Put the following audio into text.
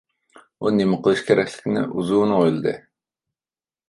ئۇ نېمە قىلىش كېرەكلىكىنى ئۇزۇن ئويلىدى.